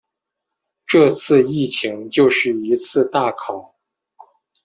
这次疫情就是一次大考